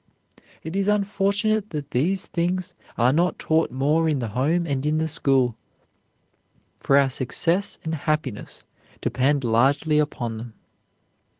It is unfortunate that these things are not taught more in the home and in the school; for our success and happiness depend largely upon them.